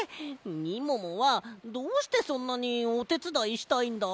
みももはどうしてそんなにおてつだいしたいんだ？